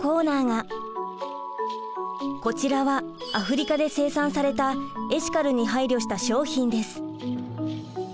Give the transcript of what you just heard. こちらはアフリカで生産されたエシカルに配慮した商品です。